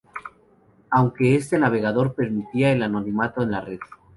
aunque este navegador permita el anonimato en la red